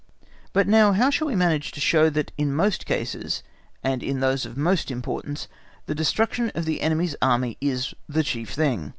But now how shall we manage to show that in most cases, and in those of most importance, the destruction of the enemy's Army is the chief thing?